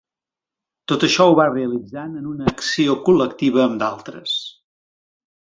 Tot això ho va realitzant en una acció col·lectiva amb d'altres.